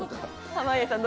濱家さん